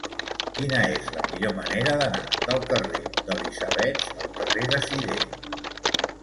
Quina és la millor manera d'anar del carrer d'Elisabets al carrer de Sidé?